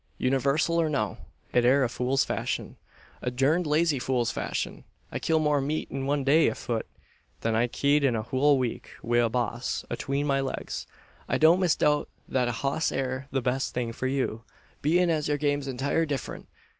"Univarsal or no, it air a fool's fashion a durned lazy fool's fashion! I kill more meat in one day afut, then I ked in a hul week wi' a hoss atween my legs. I don't misdoubt that a hoss air the best thing for you bein' as yur game's entire different.